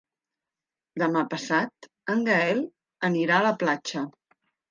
Demà passat en Gaël anirà a la platja.